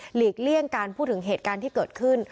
เลี่ยงการพูดถึงเหตุการณ์ที่เกิดขึ้น